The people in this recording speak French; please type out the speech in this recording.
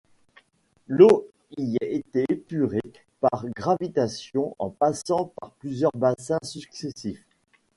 L'eau y était épurée par gravitation en passant par plusieurs bassins successifs.